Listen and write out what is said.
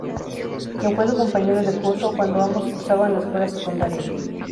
Quien fue su compañero de curso, cuando ambos cursaban la escuela secundaria.